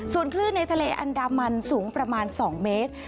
ส่วนคลื่นในทะเลอันดามันสูงประมาณ๒เมตร